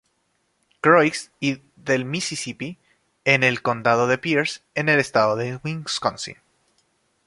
Croix y del Misisipi, en el condado de Pierce en el estado de Wisconsin.